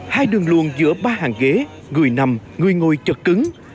hai đường luồn giữa ba hàng ghế người nằm người ngồi chật cứng